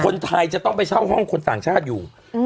คนไทยจะต้องไปเช่าห้องคนต่างชาติอยู่